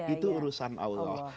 itu urusan allah